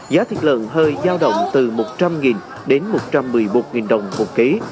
giá thịt lợn hơi giao động từ một trăm linh đến một trăm một mươi một đồng một ký